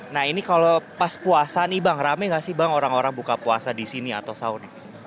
nah ini kalau pas puasa nih bang rame gak sih bang orang orang buka puasa di sini atau sahur di sini